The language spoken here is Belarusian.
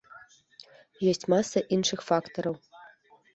Ёсць маса іншых фактараў.